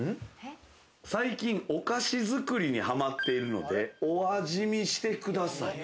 最近お菓子作りにはまっているので、お味見してください。